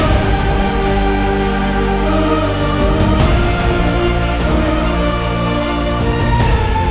akan sedikit bisa menghibur hatiku